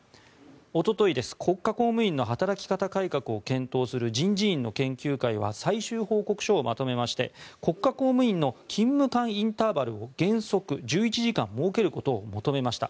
おととい、国家公務員の働き方改革を研究する人事院の研究会は最終報告書をまとめまして国家公務員の勤務間インターバルを原則１１時間設けることを求めました。